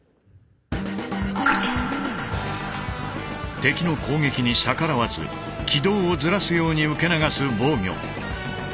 敵の攻撃に逆らわず軌道をずらすように受け流す防御。